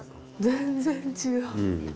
全然違う。